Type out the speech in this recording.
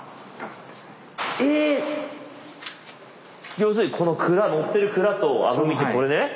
要するにこの乗ってるくらとあぶみってこれね？